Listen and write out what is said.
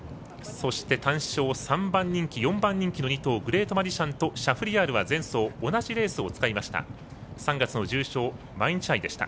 そして、単勝３番人気４番人気の２頭、グレートマジシャンとシャフリヤールは前走同じレースを使いました。